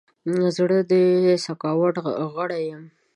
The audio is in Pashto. زه د سکاوټ غړی یم.